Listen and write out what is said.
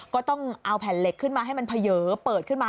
ก็ต้องเอาแผ่นเหล็กขึ้นมาให้มันเผยเปิดขึ้นมา